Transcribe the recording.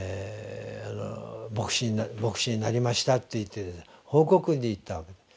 「牧師になりました」と言って報告に行ったわけです。